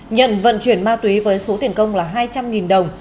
nhận vận chuyển ma túy với số tiền công là hai trăm linh đồng